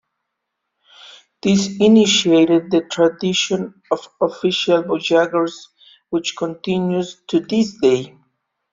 This initiated the tradition of "Official Voyageurs," which continues to this day.